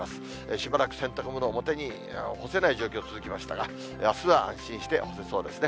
しばらく洗濯物、表に干せない状況続きましたが、あすは安心して干せそうですね。